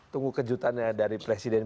tunggu kejutannya dari presiden